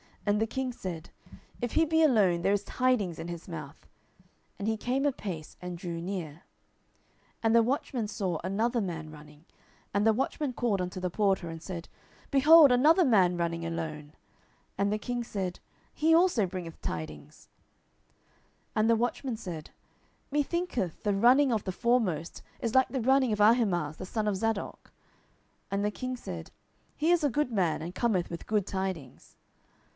And the king said, If he be alone, there is tidings in his mouth. And he came apace, and drew near. 10:018:026 And the watchman saw another man running: and the watchman called unto the porter, and said, Behold another man running alone. And the king said, He also bringeth tidings. 10:018:027 And the watchman said, Me thinketh the running of the foremost is like the running of Ahimaaz the son of Zadok. And the king said, He is a good man, and cometh with good tidings.